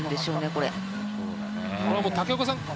これは竹岡さん